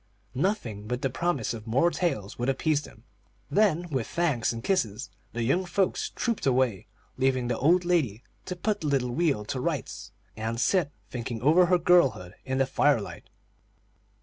Nothing but the promise of more tales would appease them; then, with thanks and kisses, the young folks trooped away, leaving the old lady to put the little wheel to rights, and sit thinking over her girlhood, in the fire light.